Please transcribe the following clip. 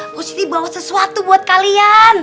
mpok siti bawa sesuatu buat kalian